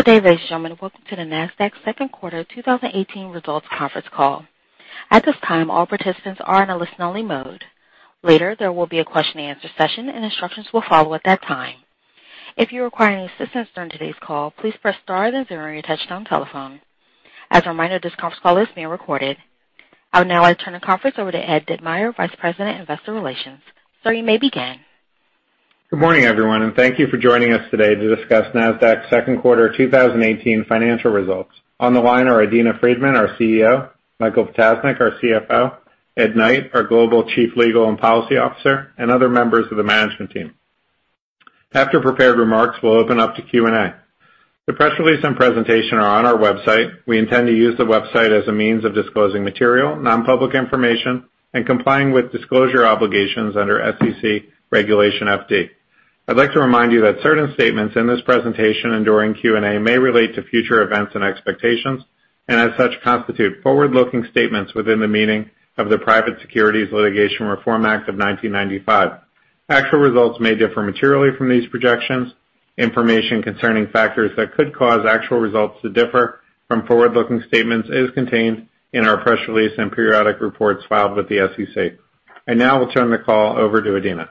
Good day, ladies and gentlemen. Welcome to the Nasdaq second quarter 2018 results conference call. At this time, all participants are in a listen-only mode. Later, there will be a question and answer session, and instructions will follow at that time. If you require any assistance during today's call, please press star then zero on your touch-tone telephone. As a reminder, this conference call is being recorded. I would now like to turn the conference over to Ed Ditmire, Vice President, Investor Relations. Sir, you may begin. Good morning, everyone, thank you for joining us today to discuss Nasdaq's second quarter 2018 financial results. On the line are Adena Friedman, our CEO, Michael Ptasznik, our CFO, Ed Knight, our Global Chief Legal and Policy Officer, and other members of the management team. After prepared remarks, we'll open up to Q&A. The press release and presentation are on our website. We intend to use the website as a means of disclosing material, non-public information, and complying with disclosure obligations under SEC Regulation FD. I'd like to remind you that certain statements in this presentation and during Q&A may relate to future events and expectations, as such, constitute forward-looking statements within the meaning of the Private Securities Litigation Reform Act of 1995. Actual results may differ materially from these projections. Information concerning factors that could cause actual results to differ from forward-looking statements is contained in our press release and periodic reports filed with the SEC. I now will turn the call over to Adena.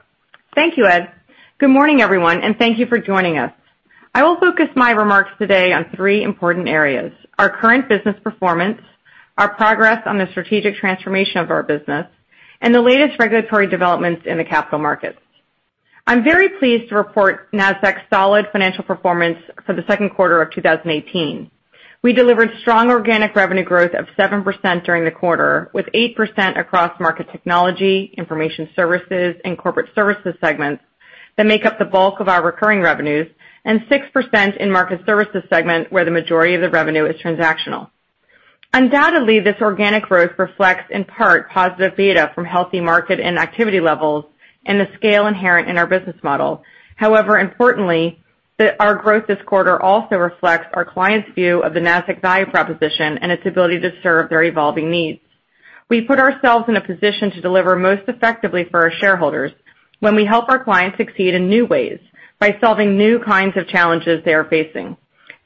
Thank you, Ed. Good morning, everyone, thank you for joining us. I will focus my remarks today on three important areas, Our current business performance, our progress on the strategic transformation of our business, the latest regulatory developments in the capital markets. I'm very pleased to report Nasdaq's solid financial performance for the second quarter of 2018. We delivered strong organic revenue growth of 7% during the quarter, with 8% across Market Technology, Information Services, and Corporate Services segments that make up the bulk of our recurring revenues, 6% in Market Services segment, where the majority of the revenue is transactional. Undoubtedly, this organic growth reflects, in part, positive beta from healthy market and activity levels and the scale inherent in our business model. Importantly, our growth this quarter also reflects our clients' view of the Nasdaq value proposition and its ability to serve their evolving needs. We put ourselves in a position to deliver most effectively for our shareholders when we help our clients succeed in new ways by solving new kinds of challenges they are facing.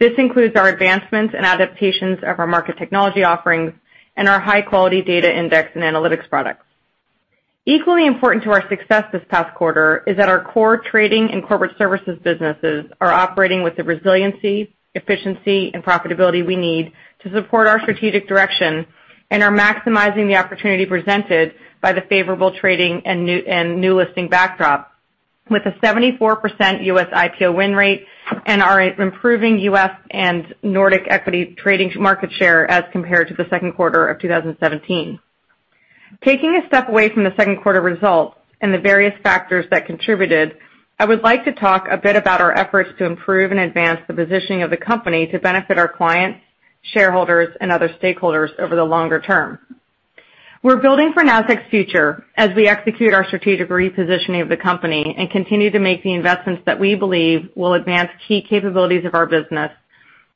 This includes our advancements and adaptations of our Market Technology offerings and our high-quality data index and analytics products. Equally important to our success this past quarter is that our core trading and Corporate Services businesses are operating with the resiliency, efficiency, and profitability we need to support our strategic direction and are maximizing the opportunity presented by the favorable trading and new listing backdrop, with a 74% U.S. IPO win rate and our improving U.S. and Nordic equity trading market share as compared to the second quarter of 2017. Taking a step away from the second quarter results and the various factors that contributed, I would like to talk a bit about our efforts to improve and advance the positioning of the company to benefit our clients, shareholders, and other stakeholders over the longer term. We're building for Nasdaq's future as we execute our strategic repositioning of the company and continue to make the investments that we believe will advance key capabilities of our business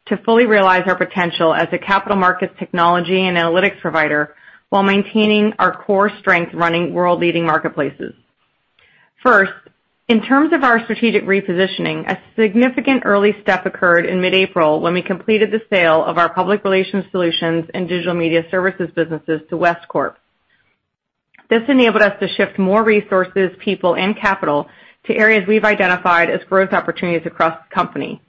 to fully realize our potential as a capital markets technology and analytics provider while maintaining our core strength running world-leading marketplaces. First, in terms of our strategic repositioning, a significant early step occurred in mid-April when we completed the sale of our public relations solutions and digital media services businesses to West Corp. This enabled us to shift more resources, people, and capital to areas we've identified as growth opportunities across the company.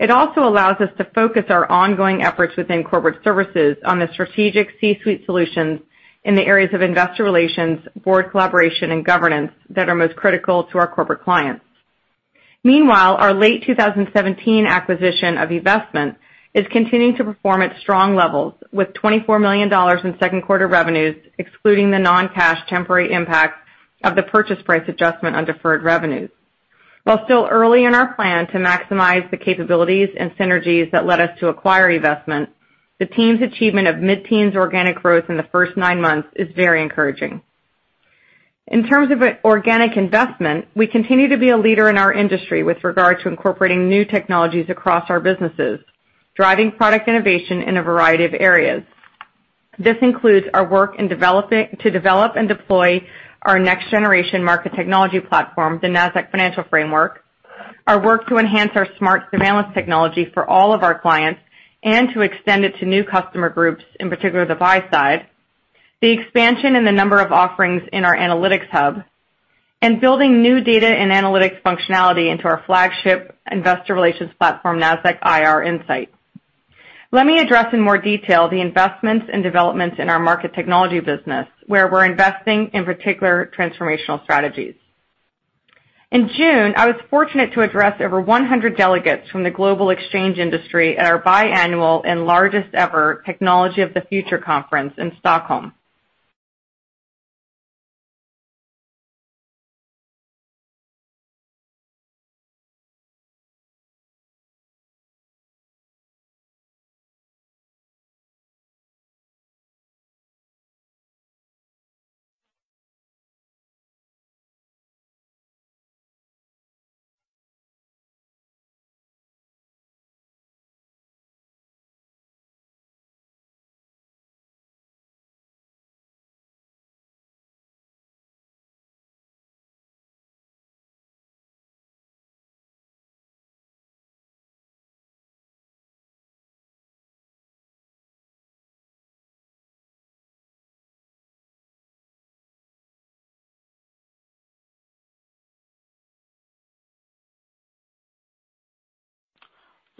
It also allows us to focus our ongoing efforts within Corporate Services on the strategic C-suite solutions in the areas of investor relations, board collaboration, and governance that are most critical to our corporate clients. Meanwhile, our late 2017 acquisition of eVestment is continuing to perform at strong levels, with $24 million in second quarter revenues, excluding the non-cash temporary impact of the purchase price adjustment on deferred revenues. While still early in our plan to maximize the capabilities and synergies that led us to acquire eVestment, the team's achievement of mid-teens organic growth in the first nine months is very encouraging. In terms of organic investment, we continue to be a leader in our industry with regard to incorporating new technologies across our businesses, driving product innovation in a variety of areas. This includes our work to develop and deploy our next-generation Market Technology platform, the Nasdaq Financial Framework, our work to enhance our SMARTS Surveillance technology for all of our clients and to extend it to new customer groups, in particular the buy side, the expansion in the number of offerings in our analytics hub, and building new data and analytics functionality into our flagship investor relations platform, Nasdaq IR Insight. Let me address in more detail the investments and developments in our Market Technology business, where we're investing in particular transformational strategies. In June, I was fortunate to address over 100 delegates from the global exchange industry at our biannual and largest-ever Technology of the Future conference in Stockholm.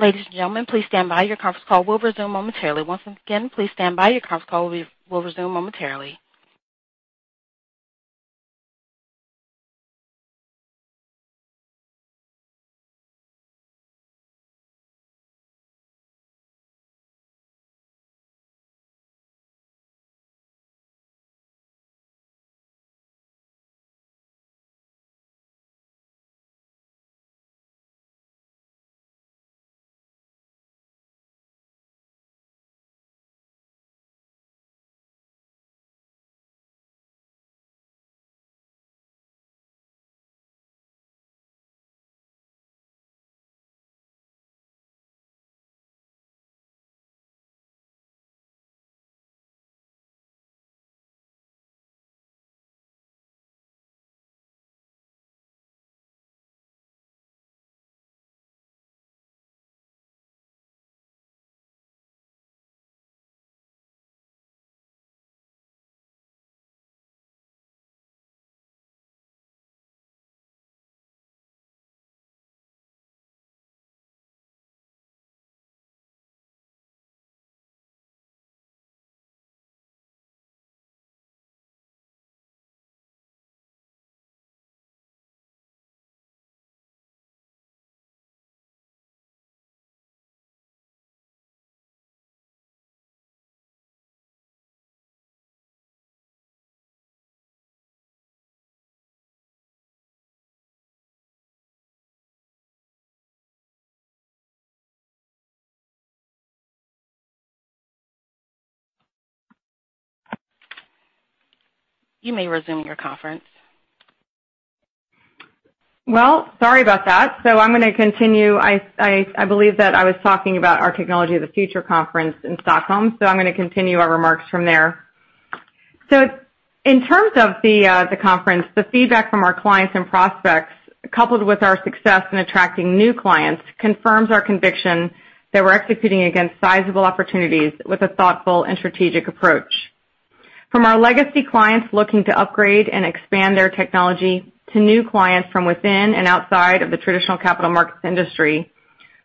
Ladies and gentlemen, please stand by. Your conference call will resume momentarily. Once again, please stand by. Your conference call will resume momentarily. You may resume your conference. Sorry about that. I'm going to continue. I believe that I was talking about our Technology of the Future conference in Stockholm. I'm going to continue our remarks from there. In terms of the conference, the feedback from our clients and prospects, coupled with our success in attracting new clients, confirms our conviction that we're executing against sizable opportunities with a thoughtful and strategic approach. From our legacy clients looking to upgrade and expand their technology, to new clients from within and outside of the traditional capital markets industry,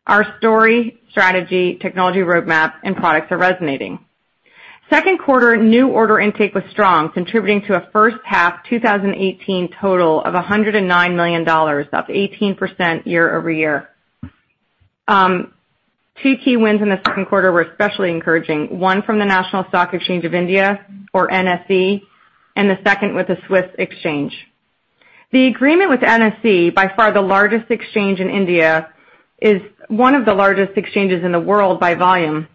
our story, strategy, technology roadmap, and products are resonating. Second quarter new order intake was strong, contributing to a first half 2018 total of $109 million, up 18% year-over-year. Two key wins in the second quarter were especially encouraging. One from the National Stock Exchange of India, or NSE, and the second with the SIX Swiss Exchange. The agreement with NSE, by far the largest exchange in India, is one of the largest exchanges in the world by volume,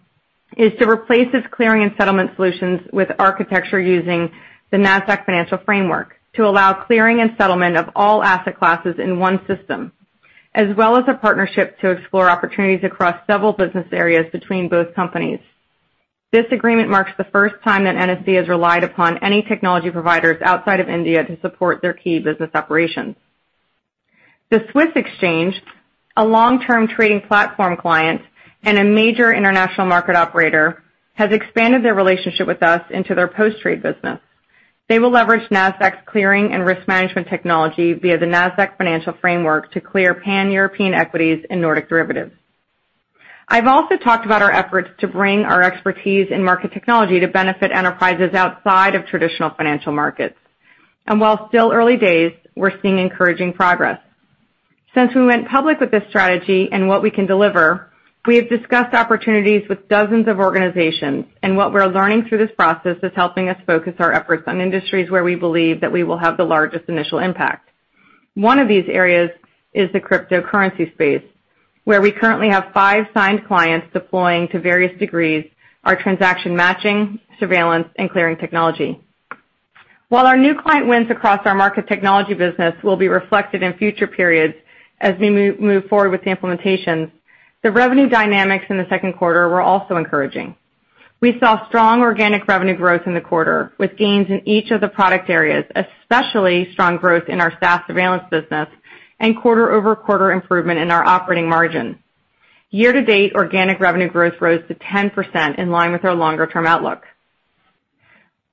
is to replace its clearing and settlement solutions with architecture using the Nasdaq Financial Framework to allow clearing and settlement of all asset classes in one system, as well as a partnership to explore opportunities across several business areas between both companies. This agreement marks the first time that NSE has relied upon any technology providers outside of India to support their key business operations. The SIX Swiss Exchange, a long-term trading platform client and a major international market operator, has expanded their relationship with us into their post-trade business. They will leverage Nasdaq's clearing and risk management technology via the Nasdaq Financial Framework to clear Pan-European equities and Nordic derivatives. I've also talked about our efforts to bring our expertise in Market Technology to benefit enterprises outside of traditional financial markets. While still early days, we're seeing encouraging progress. Since we went public with this strategy and what we can deliver, we have discussed opportunities with dozens of organizations. What we're learning through this process is helping us focus our efforts on industries where we believe that we will have the largest initial impact. One of these areas is the cryptocurrency space, where we currently have five signed clients deploying, to various degrees, our transaction matching, surveillance, and clearing technology. While our new client wins across our Market Technology business will be reflected in future periods as we move forward with the implementations, the revenue dynamics in the second quarter were also encouraging. We saw strong organic revenue growth in the quarter, with gains in each of the product areas, especially strong growth in our SaaS surveillance business and quarter-over-quarter improvement in our operating margin. Year-to-date organic revenue growth rose to 10%, in line with our longer-term outlook.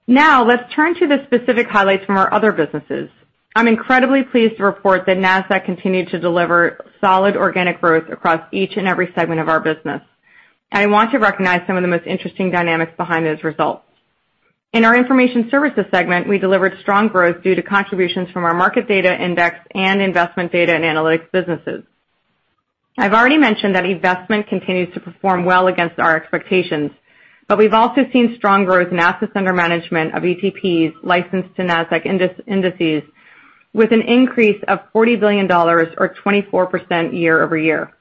Let's turn to the specific highlights from our other businesses. I'm incredibly pleased to report that Nasdaq continued to deliver solid organic growth across each and every segment of our business. I want to recognize some of the most interesting dynamics behind those results. In our Information Services segment, we delivered strong growth due to contributions from our market data index and investment data and analytics businesses. I've already mentioned that eVestment continues to perform well against our expectations, but we've also seen strong growth in assets under management of ETPs licensed to Nasdaq indices, with an increase of $40 billion or 24% year-over-year.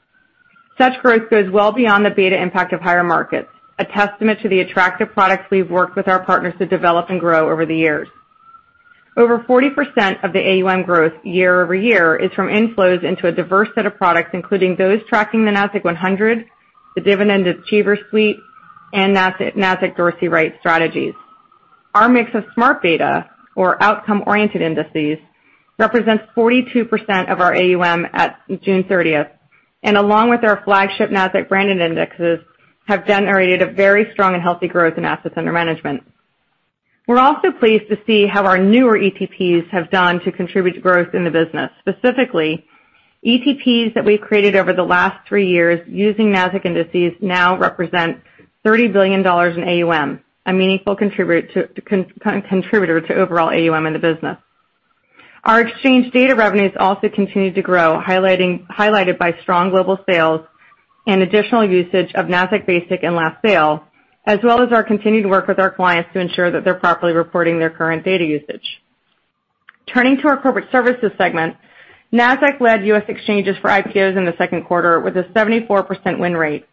Such growth goes well beyond the beta impact of higher markets, a testament to the attractive products we've worked with our partners to develop and grow over the years. Over 40% of the AUM growth year-over-year is from inflows into a diverse set of products, including those tracking the Nasdaq-100, the Dividend Achievers Suite, and Nasdaq Dorsey Wright strategies. Our mix of smart beta or outcome-oriented indices represents 42% of our AUM as at June 30th, and along with our flagship Nasdaq-branded indexes, have generated a very strong and healthy growth in assets under management. We're also pleased to see how our newer ETPs have done to contribute to growth in the business. Specifically, ETPs that we've created over the last three years using Nasdaq indices now represent $30 billion in AUM, a meaningful contributor to overall AUM in the business. Our exchange data revenues also continued to grow, highlighted by strong global sales and additional usage of Nasdaq Basic and Last Sale, as well as our continued work with our clients to ensure that they're properly reporting their current data usage. Turning to our Corporate Services segment, Nasdaq led U.S. exchanges for IPOs in the second quarter with a 74% win rate.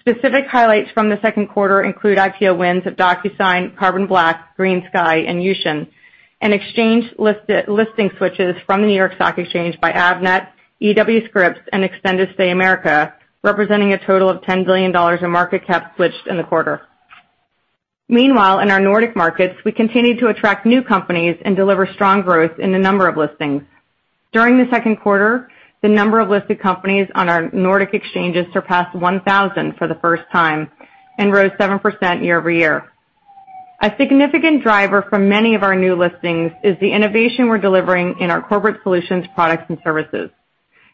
Specific highlights from the second quarter include IPO wins of DocuSign, Carbon Black, GreenSky, and Uxin, and exchange listing switches from the New York Stock Exchange by Avnet, E.W. Scripps, and Extended Stay America, representing a total of $10 billion in market cap switched in the quarter. Meanwhile, in our Nordic markets, we continued to attract new companies and deliver strong growth in the number of listings. During the second quarter, the number of listed companies on our Nordic exchanges surpassed 1,000 for the first time and rose 7% year-over-year. A significant driver for many of our new listings is the innovation we're delivering in our corporate solutions products and services.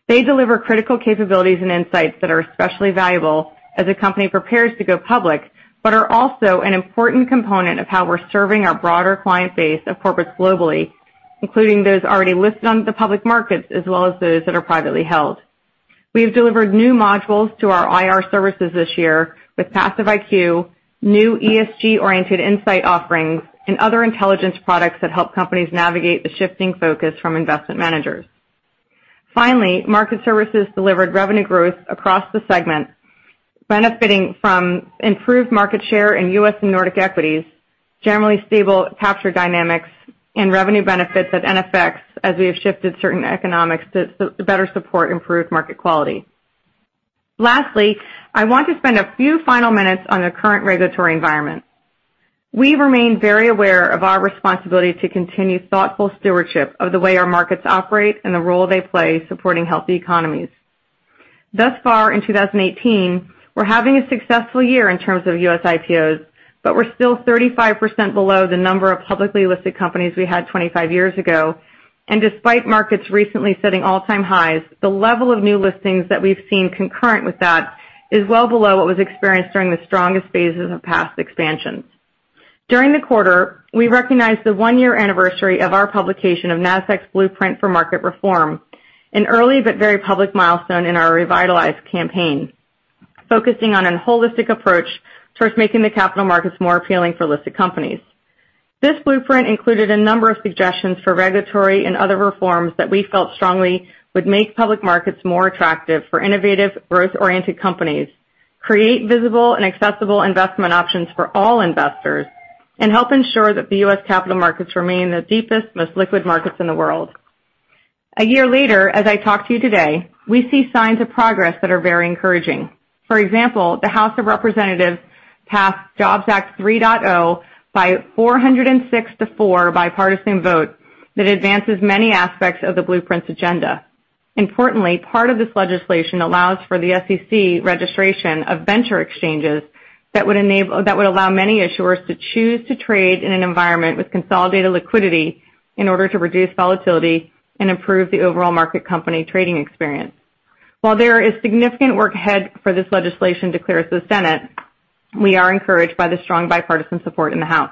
They deliver critical capabilities and insights that are especially valuable as a company prepares to go public, but are also an important component of how we're serving our broader client base of corporates globally, including those already listed on the public markets, as well as those that are privately held. We have delivered new modules to our IR services this year with Passive IQ, new ESG-oriented insight offerings, and other intelligence products that help companies navigate the shifting focus from investment managers. Finally, Market Services delivered revenue growth across the segment, benefiting from improved market share in U.S. and Nordic equities, generally stable capture dynamics, and revenue benefits at NFX as we have shifted certain economics to better support improved market quality. Lastly, I want to spend a few final minutes on the current regulatory environment. We remain very aware of our responsibility to continue thoughtful stewardship of the way our markets operate and the role they play supporting healthy economies. Thus far in 2018, we're having a successful year in terms of U.S. IPOs, but we're still 35% below the number of publicly listed companies we had 25 years ago, and despite markets recently setting all-time highs, the level of new listings that we've seen concurrent with that is well below what was experienced during the strongest phases of past expansions. During the quarter, we recognized the one-year anniversary of our publication of Nasdaq's Blueprint for Market Reform, an early but very public milestone in our revitalized campaign, focusing on an holistic approach towards making the capital markets more appealing for listed companies. This blueprint included a number of suggestions for regulatory and other reforms that we felt strongly would make public markets more attractive for innovative, growth-oriented companies, create visible and accessible investment options for all investors, and help ensure that the U.S. capital markets remain the deepest, most liquid markets in the world. A year later, as I talk to you today, we see signs of progress that are very encouraging. For example, the House of Representatives passed Jobs Act 3.0 by 406 to four bipartisan vote that advances many aspects of the blueprint's agenda. Importantly, part of this legislation allows for the SEC registration of venture exchanges that would allow many issuers to choose to trade in an environment with consolidated liquidity in order to reduce volatility and improve the overall market company trading experience. While there is significant work ahead for this legislation to clear through the Senate, we are encouraged by the strong bipartisan support in the House.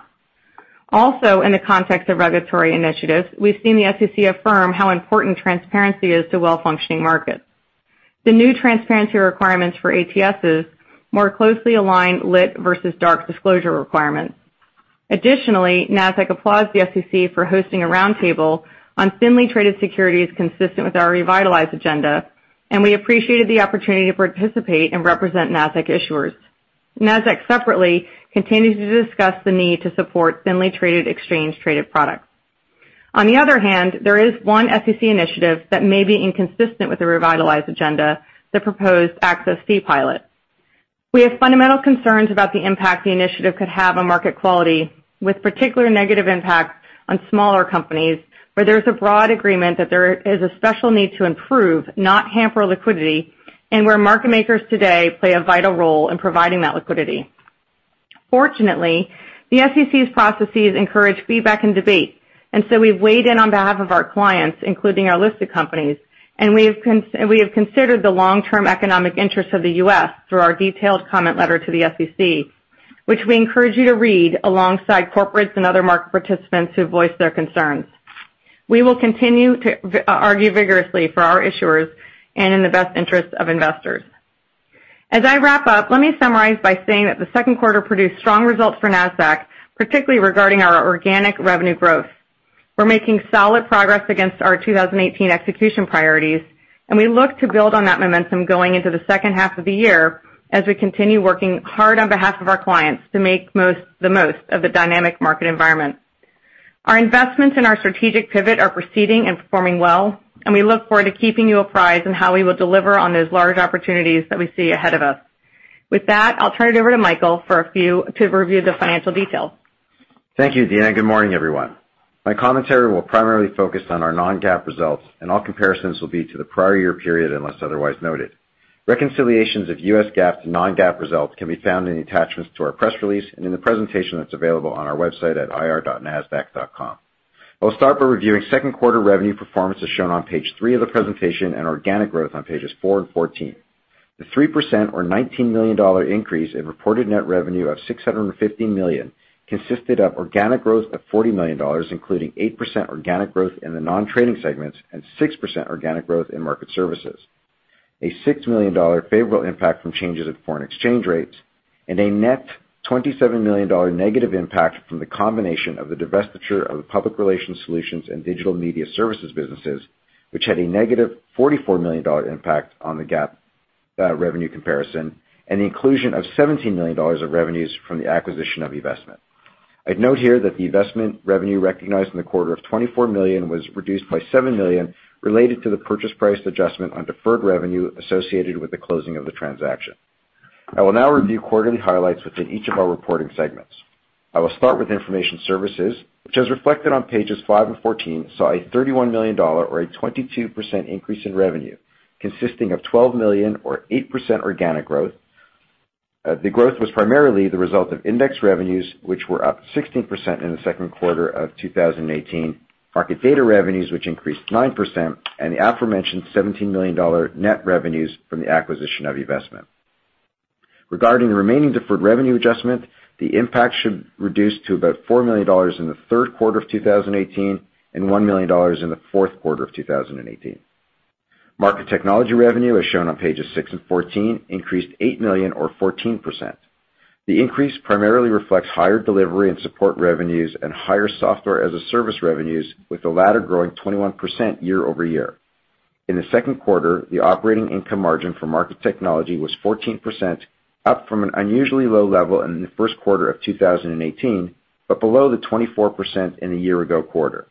Also, in the context of regulatory initiatives, we've seen the SEC affirm how important transparency is to well-functioning markets. The new transparency requirements for ATSs more closely align lit versus dark disclosure requirements. Additionally, Nasdaq applauds the SEC for hosting a roundtable on thinly traded securities consistent with our revitalized agenda, and we appreciated the opportunity to participate and represent Nasdaq issuers. Nasdaq separately continues to discuss the need to support thinly traded exchange traded products. On the other hand, there is one SEC initiative that may be inconsistent with the revitalized agenda, the proposed access fee pilot. We have fundamental concerns about the impact the initiative could have on market quality, with particular negative impact on smaller companies, where there's a broad agreement that there is a special need to improve, not hamper liquidity, and where market makers today play a vital role in providing that liquidity. Fortunately, the SEC's processes encourage feedback and debate, we've weighed in on behalf of our clients, including our listed companies, and we have considered the long-term economic interests of the U.S. through our detailed comment letter to the SEC, which we encourage you to read alongside corporates and other market participants who voiced their concerns. We will continue to argue vigorously for our issuers and in the best interest of investors. As I wrap up, let me summarize by saying that the second quarter produced strong results for Nasdaq, particularly regarding our organic revenue growth. We're making solid progress against our 2018 execution priorities, and we look to build on that momentum going into the second half of the year as we continue working hard on behalf of our clients to make the most of the dynamic market environment. Our investments and our strategic pivot are proceeding and performing well, and we look forward to keeping you apprised on how we will deliver on those large opportunities that we see ahead of us. With that, I'll turn it over to Michael to review the financial details. Thank you, Adena. Good morning, everyone. My commentary will primarily focus on our non-GAAP results, and all comparisons will be to the prior year period unless otherwise noted. Reconciliations of U.S. GAAP to non-GAAP results can be found in the attachments to our press release and in the presentation that's available on our website at ir.nasdaq.com. I'll start by reviewing second quarter revenue performance as shown on page three of the presentation and organic growth on pages four and 14. The 3% or $19 million increase in reported net revenue of $650 million consisted of organic growth of $40 million, including 8% organic growth in the non-trading segments and 6% organic growth in Market Services. A $6 million favorable impact from changes in foreign exchange rates. A net $27 million negative impact from the combination of the divestiture of the Public Relations Solutions and Digital Media Services businesses, which had a negative $44 million impact on the GAAP revenue comparison, and the inclusion of $17 million of revenues from the acquisition of eVestment. I'd note here that the eVestment revenue recognized in the quarter of $24 million was reduced by $7 million related to the purchase price adjustment on deferred revenue associated with the closing of the transaction. I will now review quarterly highlights within each of our reporting segments. I will start with Information Services, which, as reflected on pages five and 14, saw a $31 million or a 22% increase in revenue, consisting of $12 million or 8% organic growth. The growth was primarily the result of index revenues, which were up 16% in the second quarter of 2018, market data revenues, which increased 9%, and the aforementioned $17 million net revenues from the acquisition of eVestment. Regarding the remaining deferred revenue adjustment, the impact should reduce to about $4 million in the third quarter of 2018 and $1 million in the fourth quarter of 2018. Market Technology revenue, as shown on pages six and 14, increased $8 million or 14%. The increase primarily reflects higher delivery and support revenues and higher Software as a Service revenues, with the latter growing 21% year-over-year. In the second quarter, the operating income margin for Market Technology was 14%, up from an unusually low level in the first quarter of 2018, but below the 24% in the year ago quarter.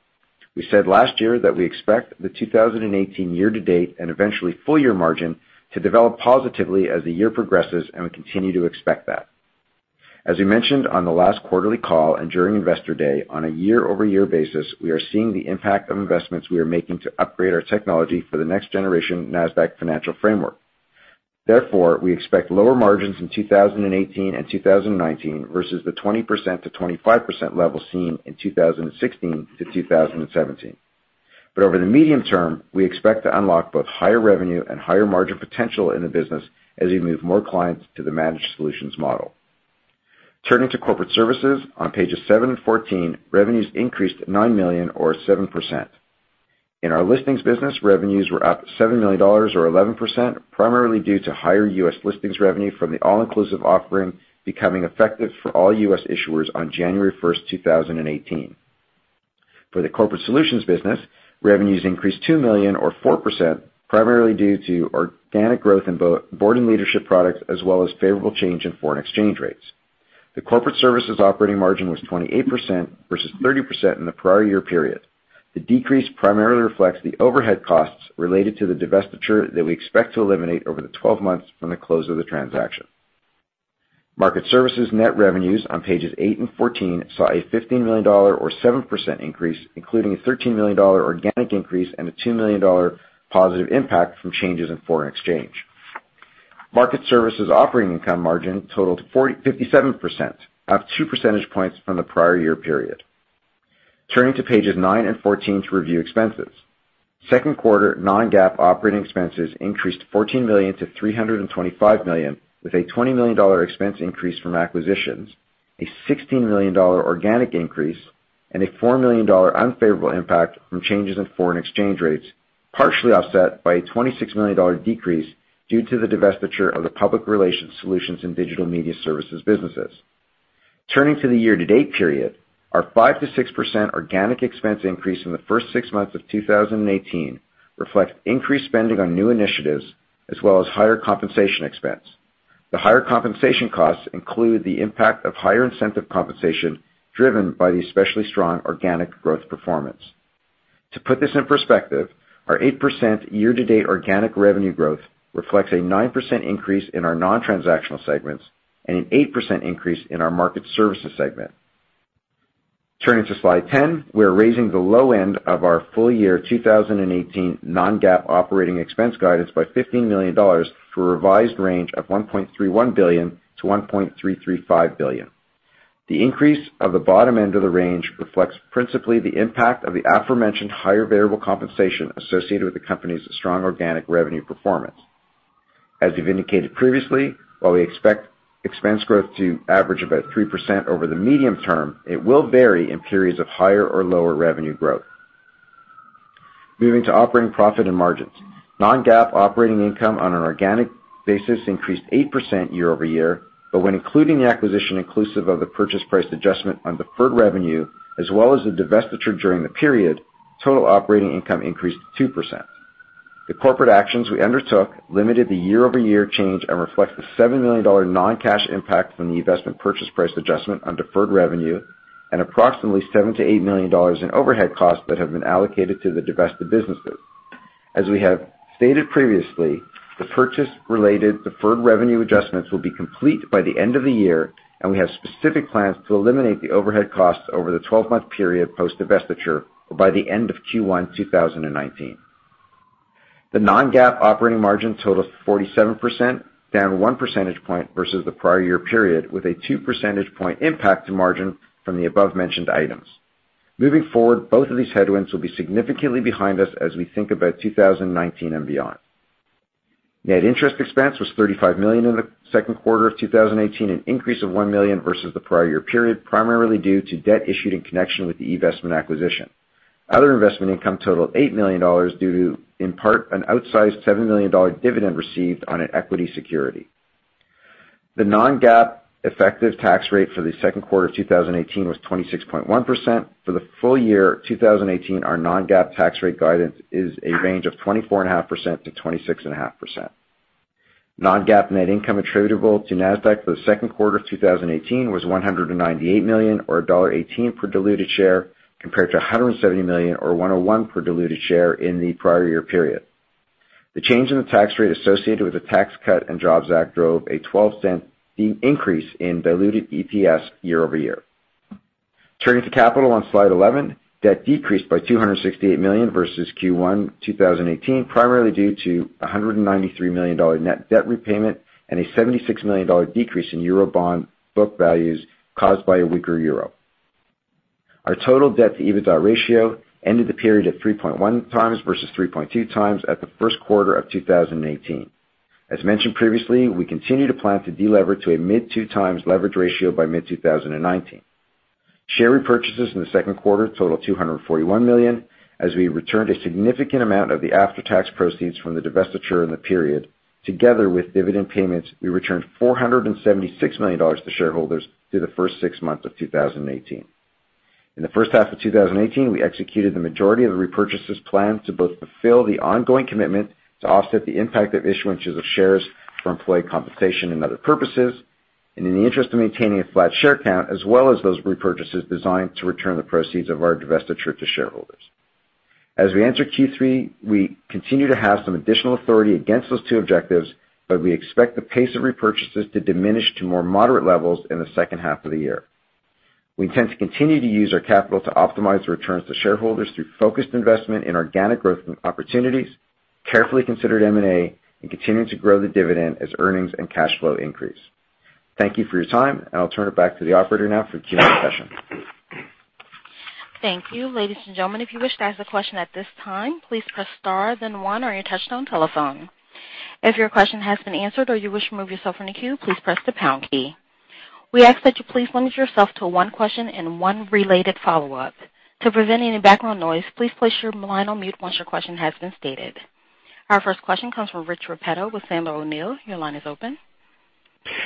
We said last year that we expect the 2018 year-to-date and eventually full year margin to develop positively as the year progresses. We continue to expect that. As we mentioned on the last quarterly call and during Investor Day, on a year-over-year basis, we are seeing the impact of investments we are making to upgrade our technology for the next generation Nasdaq Financial Framework. We expect lower margins in 2018 and 2019 versus the 20%-25% level seen in 2016-2017. Over the medium term, we expect to unlock both higher revenue and higher margin potential in the business as we move more clients to the managed solutions model. Turning to Corporate Services on pages seven and 14, revenues increased $9 million or 7%. In our listings business, revenues were up $7 million or 11%, primarily due to higher U.S. listings revenue from the all-inclusive offering becoming effective for all U.S. issuers on January 1st, 2018. For the Corporate Services business, revenues increased $2 million or 4%, primarily due to organic growth in board and leadership products, as well as favorable change in foreign exchange rates. The Corporate Services operating margin was 28% versus 30% in the prior year period. The decrease primarily reflects the overhead costs related to the divestiture that we expect to eliminate over the 12 months from the close of the transaction. Market Services net revenues on pages eight and 14 saw a $15 million or 7% increase, including a $13 million organic increase and a $2 million positive impact from changes in foreign exchange. Market Services operating income margin totaled 57%, up two percentage points from the prior year period. Turning to pages nine and 14 to review expenses. Second quarter non-GAAP operating expenses increased $14 million to $325 million, with a $20 million expense increase from acquisitions, a $16 million organic increase, and a $4 million unfavorable impact from changes in foreign exchange rates, partially offset by a $26 million decrease due to the divestiture of the Public Relations Solutions and Digital Media Services businesses. Turning to the year-to-date period, our 5% to 6% organic expense increase in the first six months of 2018 reflects increased spending on new initiatives as well as higher compensation expense. The higher compensation costs include the impact of higher incentive compensation driven by the especially strong organic growth performance. To put this in perspective, our 8% year-to-date organic revenue growth reflects a 9% increase in our non-transactional segments and an 8% increase in our Market Services segment. Turning to slide 10, we are raising the low end of our full-year 2018 non-GAAP operating expense guidance by $15 million to a revised range of $1.31 billion to $1.335 billion. The increase of the bottom end of the range reflects principally the impact of the aforementioned higher variable compensation associated with the company's strong organic revenue performance. As we've indicated previously, while we expect expense growth to average about 3% over the medium term, it will vary in periods of higher or lower revenue growth. Moving to operating profit and margins. Non-GAAP operating income on an organic basis increased 8% year-over-year, but when including the acquisition inclusive of the purchase price adjustment on deferred revenue as well as the divestiture during the period, total operating income increased 2%. The corporate actions we undertook limited the year-over-year change and reflect the $7 million non-cash impact from the investment purchase price adjustment on deferred revenue and approximately $7 million to $8 million in overhead costs that have been allocated to the divested businesses. As we have stated previously, the purchase-related deferred revenue adjustments will be complete by the end of the year, and we have specific plans to eliminate the overhead costs over the 12-month period post-divestiture or by the end of Q1 2019. The non-GAAP operating margin totaled 47%, down one percentage point versus the prior year period, with a two percentage point impact to margin from the above-mentioned items. Moving forward, both of these headwinds will be significantly behind us as we think about 2019 and beyond. Net interest expense was $35 million in the second quarter of 2018, an increase of $1 million versus the prior year period, primarily due to debt issued in connection with the investment acquisition. Other investment income totaled $8 million due to, in part, an outsized $7 million dividend received on an equity security. The non-GAAP effective tax rate for the second quarter of 2018 was 26.1%. For the full year 2018, our non-GAAP tax rate guidance is a range of 24.5%-26.5%. Non-GAAP net income attributable to Nasdaq for the second quarter of 2018 was $198 million, or $1.18 per diluted share, compared to $170 million or $1.01 per diluted share in the prior year period. The change in the tax rate associated with the Tax Cuts and Jobs Act drove a $0.12 increase in diluted EPS year-over-year. Turning to capital on slide 11, debt decreased by $268 million versus Q1 2018, primarily due to a $193 million net debt repayment and a $76 million decrease in euro bond book values caused by a weaker euro. Our total debt-to-EBITDA ratio ended the period at 3.1 times versus 3.2 times at the first quarter of 2018. As mentioned previously, we continue to plan to de-lever to a mid two times leverage ratio by mid-2019. Share repurchases in the second quarter totaled $241 million, as we returned a significant amount of the after-tax proceeds from the divestiture in the period. Together with dividend payments, we returned $476 million to shareholders through the first six months of 2018. In the first half of 2018, we executed the majority of the repurchases planned to both fulfill the ongoing commitment to offset the impact of issuances of shares for employee compensation and other purposes, in the interest of maintaining a flat share count, as well as those repurchases designed to return the proceeds of our divestiture to shareholders. As we enter Q3, we continue to have some additional authority against those two objectives, but we expect the pace of repurchases to diminish to more moderate levels in the second half of the year. We intend to continue to use our capital to optimize returns to shareholders through focused investment in organic growth and opportunities, carefully considered M&A, and continuing to grow the dividend as earnings and cash flow increase. Thank you for your time, I'll turn it back to the operator now for the Q&A session. Thank you. Ladies and gentlemen, if you wish to ask a question at this time, please press star then one on your touchtone telephone. If your question has been answered or you wish to remove yourself from the queue, please press the pound key. We ask that you please limit yourself to one question and one related follow-up. To prevent any background noise, please place your line on mute once your question has been stated. Our first question comes from Rich Repetto with Sandler O'Neill. Your line is open.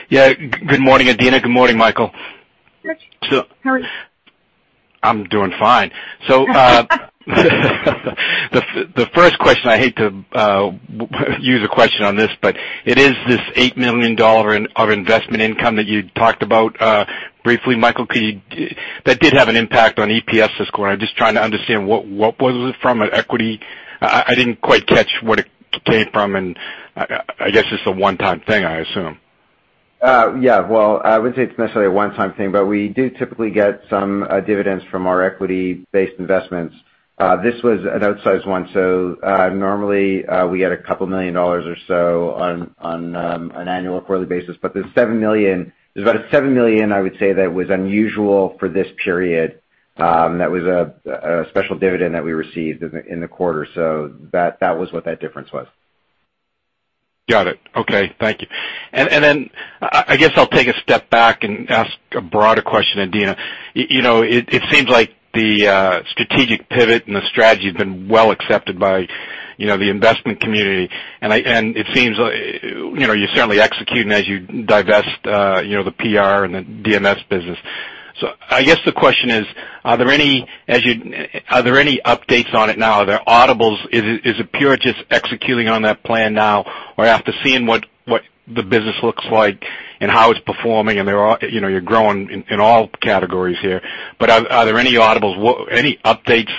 Yeah. Good morning, Adena. Good morning, Michael. Rich, how are you? I'm doing fine. The first question, I hate to use a question on this, but it is this $8 million of investment income that you talked about briefly, Michael. That did have an impact on EPS this quarter. I'm just trying to understand what was it from, an equity? I didn't quite catch what it came from. I guess it's a one-time thing, I assume. Yeah. Well, I wouldn't say it's necessarily a one-time thing. We do typically get some dividends from our equity-based investments. This was an outsized one, so normally, we get a couple million dollars or so on an annual or quarterly basis. There's about a $7 million I would say that was unusual for this period. That was a special dividend that we received in the quarter. That was what that difference was. Got it. Okay. Thank you. I guess I'll take a step back and ask a broader question, Adena. It seems like the strategic pivot and the strategy have been well accepted by the investment community, and it seems like you're certainly executing as you divest the PR and the DMS business. I guess the question is, are there any updates on it now? Are there audibles? Is it pure just executing on that plan now? After seeing what the business looks like and how it's performing, and you're growing in all categories here, but are there any audibles, any updates,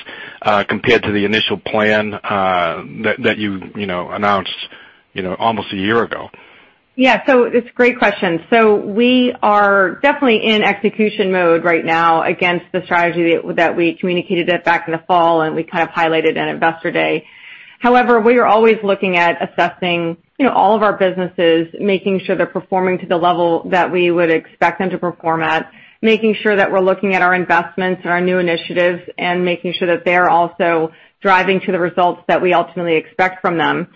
compared to the initial plan that you announced almost a year ago? Yeah. It's a great question. We are definitely in execution mode right now against the strategy that we communicated back in the fall, and we kind of highlighted at Investor Day. However, we are always looking at assessing all of our businesses, making sure they're performing to the level that we would expect them to perform at, making sure that we're looking at our investments and our new initiatives, and making sure that they're also driving to the results that we ultimately expect from them.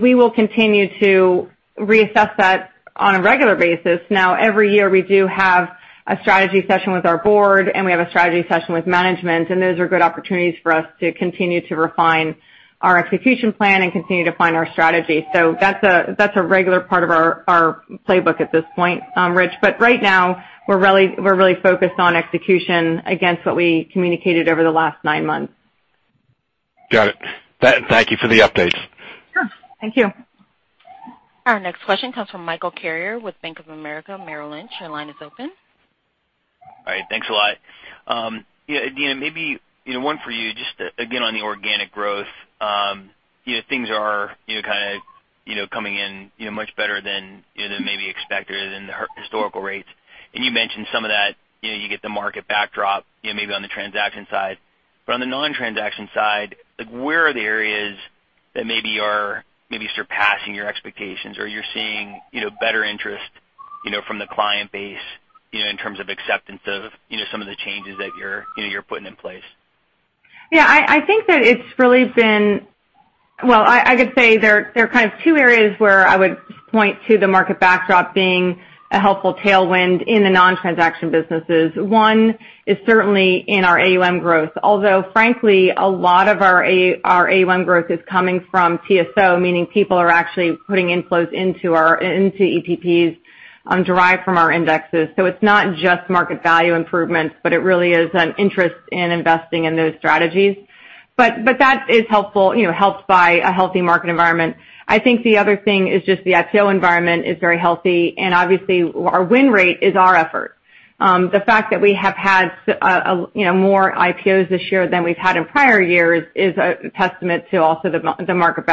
We will continue to reassess that on a regular basis. Every year, we do have a strategy session with our board, and we have a strategy session with management, and those are good opportunities for us to continue to refine our execution plan and continue to find our strategy. That's a regular part of our playbook at this point, Rich. Right now, we're really focused on execution against what we communicated over the last nine months. Got it. Thank you for the updates. Sure. Thank you. Our next question comes from Michael Carrier with Bank of America Merrill Lynch. Your line is open. All right, thanks a lot. Adena, maybe one for you, just again, on the organic growth. Things are coming in much better than maybe expected and the historical rates. You mentioned some of that, you get the market backdrop maybe on the transaction side. On the non-transaction side, where are the areas that maybe are surpassing your expectations, or you're seeing better interest from the client base in terms of acceptance of some of the changes that you're putting in place? Yeah, I think that it's really been Well, I could say there are two areas where I would point to the market backdrop being a helpful tailwind in the non-transaction businesses. One is certainly in our AUM growth. Although frankly, a lot of our AUM growth is coming from TSO, meaning people are actually putting inflows into ETPs, derived from our indexes. It's not just market value improvements, but it really is an interest in investing in those strategies. That is helped by a healthy market environment. I think the other thing is just the IPO environment is very healthy, and obviously our win rate is our effort. The fact that we have had more IPOs this year than we've had in prior years is a testament to also the market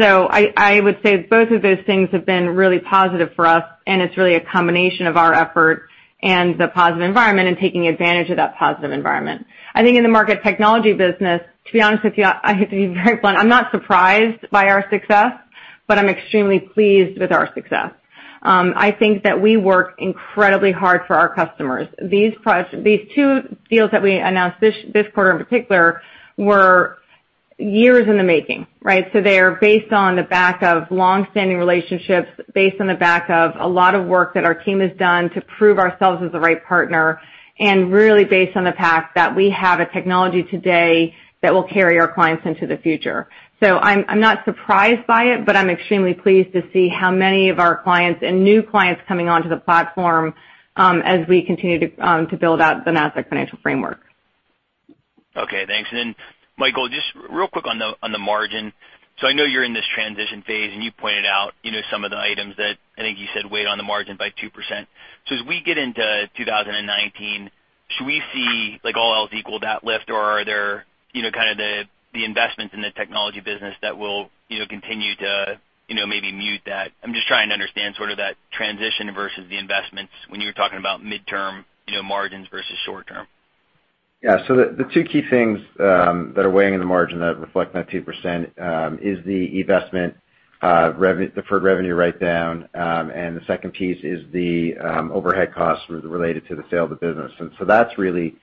backdrop. I would say both of those things have been really positive for us, and it's really a combination of our effort and the positive environment and taking advantage of that positive environment. In the Market Technology business, to be honest with you, I have to be very blunt, I'm not surprised by our success, but I'm extremely pleased with our success. I think that we work incredibly hard for our customers. These two deals that we announced this quarter in particular were years in the making, right? They are based on the back of longstanding relationships, based on the back of a lot of work that our team has done to prove ourselves as the right partner, and really based on the fact that we have a technology today that will carry our clients into the future. I'm not surprised by it, but I'm extremely pleased to see how many of our clients and new clients coming onto the platform as we continue to build out the Nasdaq Financial Framework. Okay, thanks. Michael, just real quick on the margin. I know you're in this transition phase, and you pointed out some of the items that I think you said weighed on the margin by 2%. As we get into 2019, should we see all else equal that lift, or are there the investments in the Technology business that will continue to maybe mute that? I'm just trying to understand that transition versus the investments when you were talking about midterm margins versus short-term. The two key things that are weighing in the margin that reflect that 2% is the investment deferred revenue write-down and the second piece is the overhead costs related to the sale of the business. That's really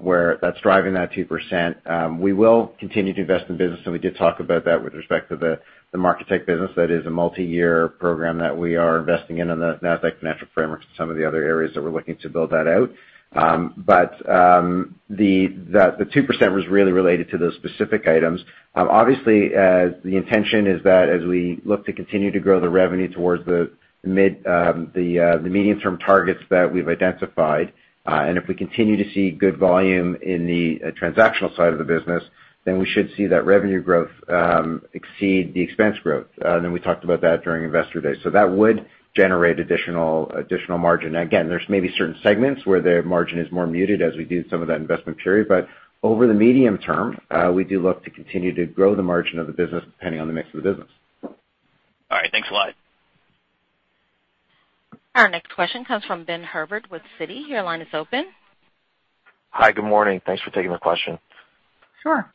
where that's driving that 2%. We will continue to invest in business, and we did talk about that with respect to the Market Technology business. That is a multi-year program that we are investing in on the Nasdaq Financial Framework and some of the other areas that we're looking to build that out. The 2% was really related to those specific items. Obviously, the intention is that as we look to continue to grow the revenue towards the medium-term targets that we've identified, if we continue to see good volume in the transactional side of the business, then we should see that revenue growth exceed the expense growth. We talked about that during Investor Day. That would generate additional margin. Again, there's maybe certain segments where the margin is more muted as we do some of that investment period, but over the medium term, we do look to continue to grow the margin of the business depending on the mix of the business. All right. Thanks a lot. Our next question comes from Benjamin Herbert with Citi. Your line is open. Hi, good morning. Thanks for taking my question. Sure.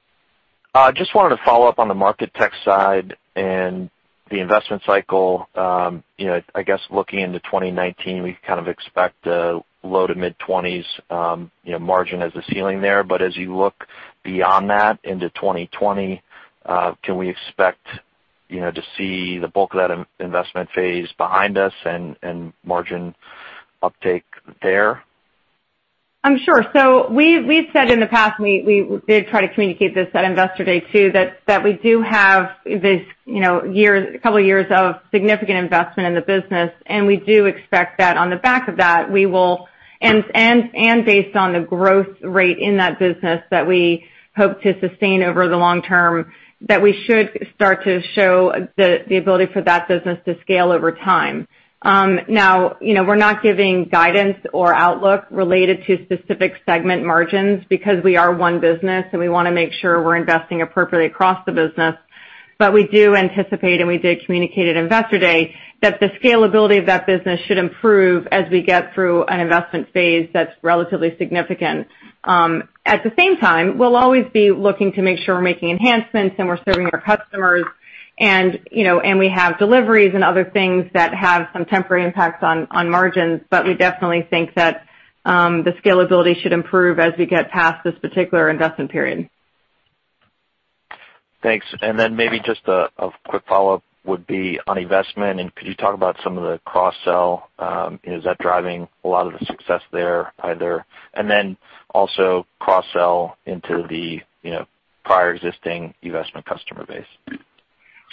Wanted to follow up on the Market Technology side and the investment cycle. Looking into 2019, we kind of expect a low-to-mid 20s margin as the ceiling there. As you look beyond that into 2020, can we expect to see the bulk of that investment phase behind us and margin uptake there? Sure. We've said in the past, we did try to communicate this at Investor Day, too, that we do have this couple of years of significant investment in the business, and we do expect that on the back of that, and based on the growth rate in that business that we hope to sustain over the long term, that we should start to show the ability for that business to scale over time. We're not giving guidance or outlook related to specific segment margins because we are one business, and we want to make sure we're investing appropriately across the business. We do anticipate, and we did communicate at Investor Day, that the scalability of that business should improve as we get through an investment phase that's relatively significant. At the same time, we'll always be looking to make sure we're making enhancements and we're serving our customers, and we have deliveries and other things that have some temporary impacts on margins. We definitely think that the scalability should improve as we get past this particular investment period. Thanks. Maybe just a quick follow-up would be on eVestment, and could you talk about some of the cross-sell? Is that driving a lot of the success there either? Also cross-sell into the prior existing eVestment customer base.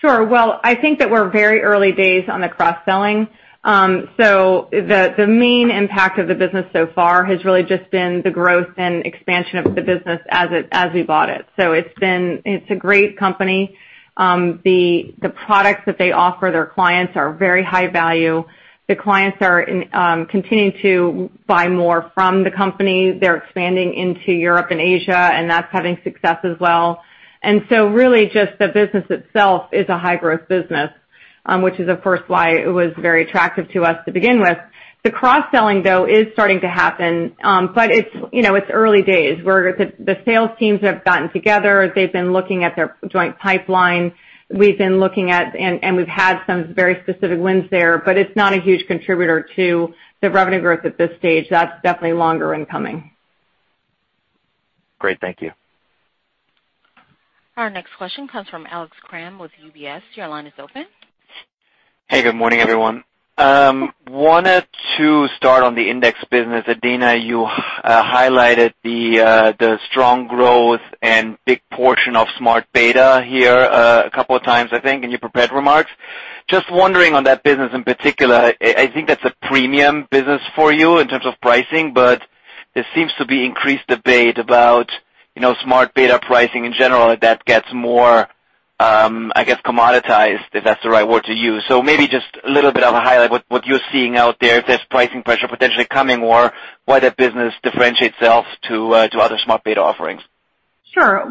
Sure. Well, I think that we're very early days on the cross-selling. The main impact of the business so far has really just been the growth and expansion of the business as we bought it. It's a great company. The products that they offer their clients are very high value. The clients are continuing to buy more from the company. They're expanding into Europe and Asia, and that's having success as well. Really just the business itself is a high-growth business, which is, of course, why it was very attractive to us to begin with. The cross-selling, though, is starting to happen, but it's early days where the sales teams have gotten together. They've been looking at their joint pipeline. We've been looking at, and we've had some very specific wins there, but it's not a huge contributor to the revenue growth at this stage. That's definitely longer in coming. Great. Thank you. Our next question comes from Alex Kramm with UBS. Your line is open. Hey, good morning, everyone. Wanted to start on the index business. Adena, you highlighted the strong growth and big portion of smart beta here a couple of times, I think, in your prepared remarks. Just wondering on that business in particular, I think that's a premium business for you in terms of pricing, but there seems to be increased debate about smart beta pricing in general that gets more, I guess, commoditized, if that's the right word to use. Maybe just a little bit of a highlight what you're seeing out there if there's pricing pressure potentially coming or why that business differentiates itself to other smart beta offerings? Sure.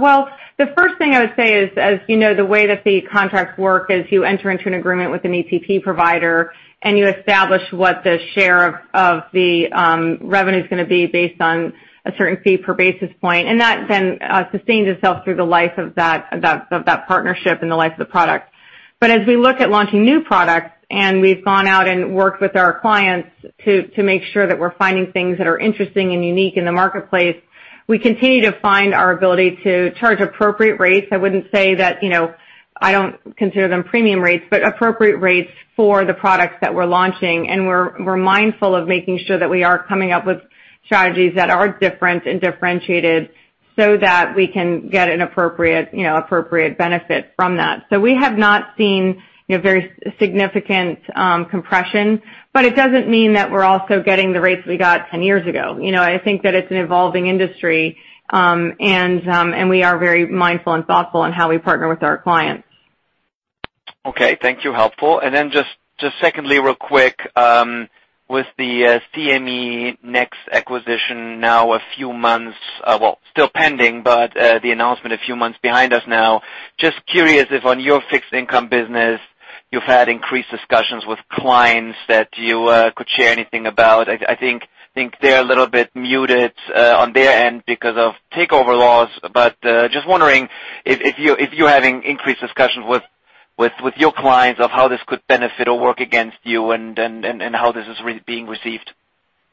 The first thing I would say is, as you know, the way that the contracts work is you enter into an agreement with an ETP provider, and you establish what the share of the revenue is going to be based on a certain fee per basis point. That then sustains itself through the life of that partnership and the life of the product. As we look at launching new products, and we've gone out and worked with our clients to make sure that we're finding things that are interesting and unique in the marketplace, we continue to find our ability to charge appropriate rates. I wouldn't say that I don't consider them premium rates, but appropriate rates for the products that we're launching. We're mindful of making sure that we are coming up with strategies that are different and differentiated so that we can get an appropriate benefit from that. We have not seen very significant compression, but it doesn't mean that we're also getting the rates we got 10 years ago. I think that it's an evolving industry, and we are very mindful and thoughtful in how we partner with our clients. Okay. Thank you. Helpful. Then just secondly, real quick, with the CME NEX acquisition now a few months, well, still pending, but the announcement a few months behind us now, just curious if on your fixed income business, you've had increased discussions with clients that you could share anything about. I think they're a little bit muted on their end because of takeover laws. Just wondering if you're having increased discussions with your clients of how this could benefit or work against you and how this is being received.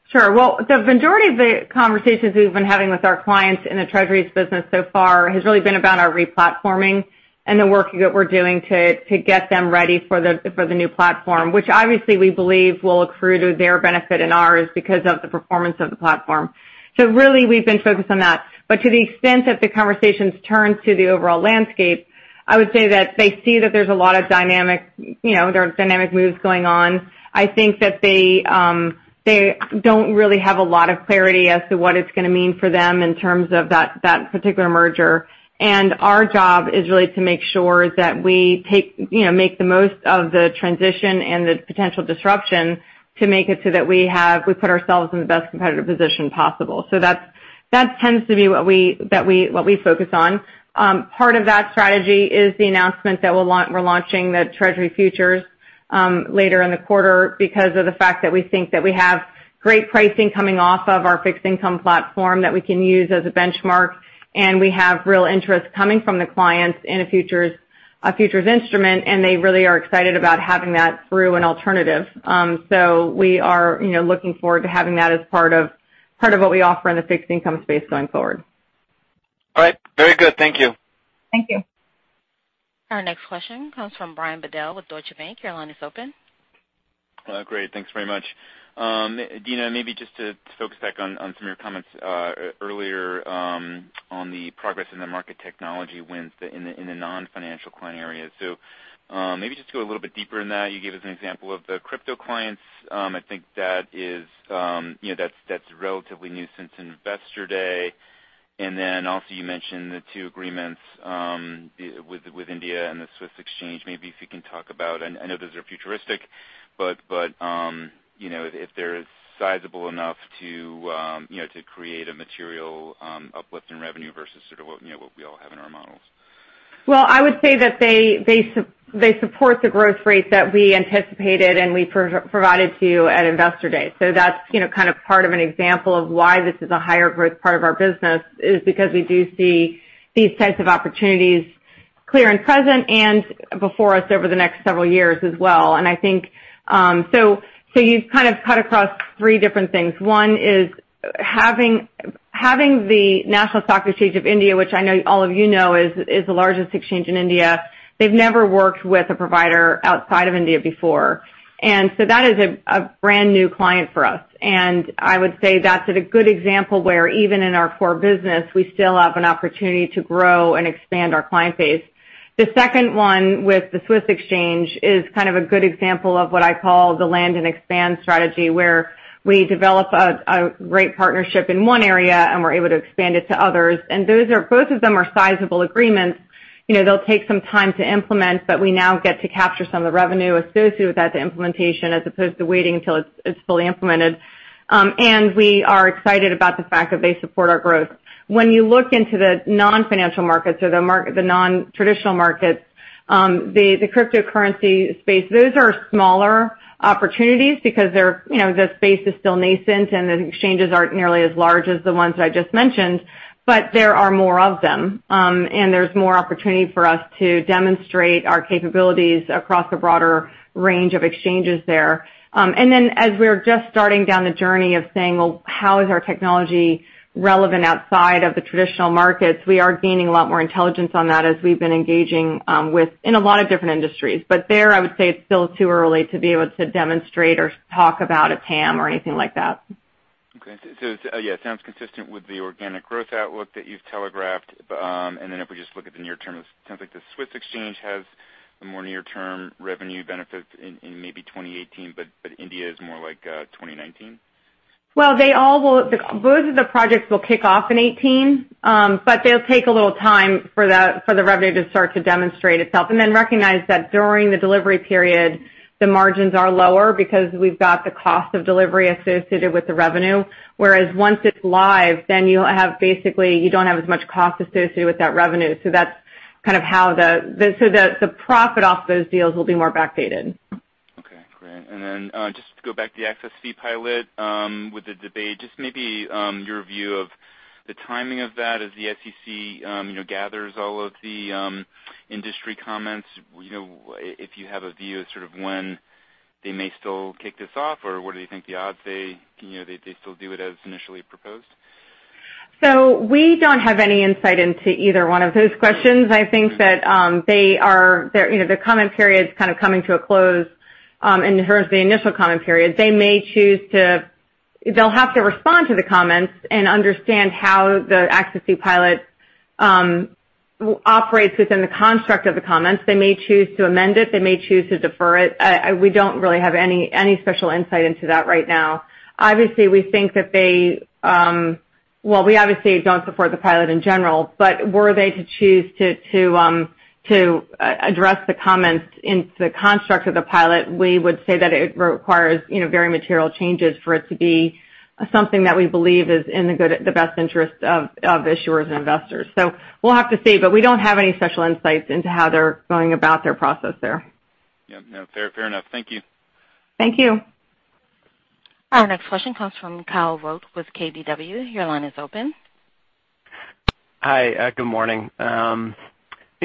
Sure. Well, the majority of the conversations we've been having with our clients in the treasuries business so far has really been about our re-platforming and the work that we're doing to get them ready for the new platform, which obviously we believe will accrue to their benefit and ours because of the performance of the platform. Really, we've been focused on that. To the extent that the conversations turn to the overall landscape, I would say that they see that there are dynamic moves going on. I think that they don't really have a lot of clarity as to what it's going to mean for them in terms of that particular merger. Our job is really to make sure that we make the most of the transition and the potential disruption to make it so that we put ourselves in the best competitive position possible. That tends to be what we focus on. Part of that strategy is the announcement that we're launching the Treasury Futures later in the quarter because of the fact that we think that we have great pricing coming off of our fixed income platform that we can use as a benchmark, and we have real interest coming from the clients in a futures instrument, and they really are excited about having that through an alternative. We are looking forward to having that as part of what we offer in the fixed income space going forward. All right. Very good. Thank you. Thank you. Our next question comes from Brian Bedell with Deutsche Bank. Your line is open. Great. Thanks very much. Adena, maybe just to focus back on some of your comments earlier on the progress in the Market Technology wins in the non-financial client area. Maybe just go a little bit deeper in that. You gave us an example of the crypto clients. I think that's relatively new since Investor Day. Also you mentioned the two agreements with India and the SIX Swiss Exchange. Maybe if you can talk about, I know those are futuristic, but if they're sizable enough to create a material uplift in revenue versus sort of what we all have in our models. Well, I would say that they support the growth rates that we anticipated and we provided to you at Investor Day. That's kind of part of an example of why this is a higher growth part of our business is because we do see these types of opportunities clear and present and before us over the next several years as well. I think, you've kind of cut across three different things. One is Having the National Stock Exchange of India, which I know all of you know is the largest exchange in India, they've never worked with a provider outside of India before. That is a brand-new client for us. I would say that's a good example where even in our core business, we still have an opportunity to grow and expand our client base. The second one with the SIX Swiss Exchange is kind of a good example of what I call the land and expand strategy, where we develop a great partnership in one area, and we're able to expand it to others. Both of them are sizable agreements. They'll take some time to implement, but we now get to capture some of the revenue associated with that implementation as opposed to waiting until it's fully implemented. We are excited about the fact that they support our growth. When you look into the non-financial markets or the non-traditional markets, the cryptocurrency space, those are smaller opportunities because the space is still nascent and the exchanges aren't nearly as large as the ones that I just mentioned, but there are more of them. There's more opportunity for us to demonstrate our capabilities across a broader range of exchanges there. As we're just starting down the journey of saying, "Well, how is our technology relevant outside of the traditional markets?" We are gaining a lot more intelligence on that as we've been engaging in a lot of different industries. There, I would say it's still too early to be able to demonstrate or talk about a TAM or anything like that. Okay. Yeah, it sounds consistent with the organic growth outlook that you've telegraphed. If we just look at the near term, it sounds like the Swiss exchange has the more near-term revenue benefit in maybe 2018, but India is more like 2019? Well, both of the projects will kick off in 2018. They'll take a little time for the revenue to start to demonstrate itself. Recognize that during the delivery period, the margins are lower because we've got the cost of delivery associated with the revenue. Whereas once it's live, then basically, you don't have as much cost associated with that revenue. The profit off those deals will be more backdated. Okay, great. Just to go back to the access fee pilot, with the debate, just maybe your view of the timing of that as the SEC gathers all of the industry comments, if you have a view of sort of when they may still kick this off, or what do you think the odds they still do it as initially proposed? We don't have any insight into either one of those questions. I think that the comment period's kind of coming to a close. Here's the initial comment period. They'll have to respond to the comments and understand how the access fee pilot operates within the construct of the comments. They may choose to amend it. They may choose to defer it. We don't really have any special insight into that right now. We obviously don't support the pilot in general. Were they to choose to address the comments into the construct of the pilot, we would say that it requires very material changes for it to be something that we believe is in the best interest of issuers and investors. We'll have to see. We don't have any special insights into how they're going about their process there. Yeah. No, fair enough. Thank you. Thank you. Our next question comes from Kyle Voigt with KBW. Your line is open. Hi. Good morning.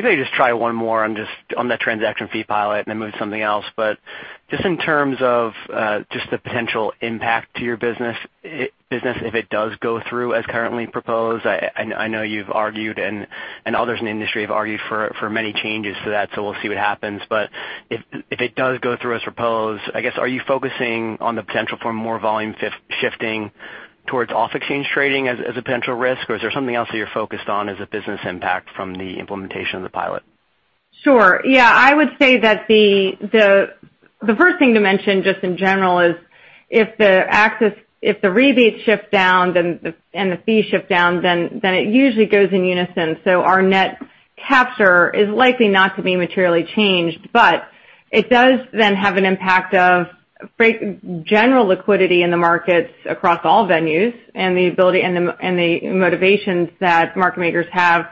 Maybe I'll just try one more on the access fee pilot and then move to something else. Just in terms of just the potential impact to your business if it does go through as currently proposed, I know you've argued, and others in the industry have argued for many changes to that, so we'll see what happens. If it does go through as proposed, I guess, are you focusing on the potential for more volume shifting towards off-exchange trading as a potential risk, or is there something else that you're focused on as a business impact from the implementation of the pilot? Sure. Yeah. I would say that the first thing to mention, just in general, is if the rebates shift down and the fees shift down, it usually goes in unison. Our net capture is likely not to be materially changed, but it does have an impact of general liquidity in the markets across all venues and the motivations that market makers have